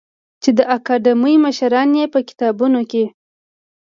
چې د اکاډمۍ مشران یې په کتابتون کې